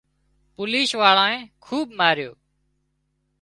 پوليش واۯانئي خوٻ ماريو